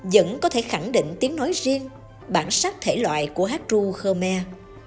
vẫn có thể khẳng định tiếng nói riêng bản sắc thể loại của hát ru khmer